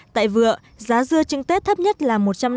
tại vừa giá dưa trưng tết thấp nhất là một trăm linh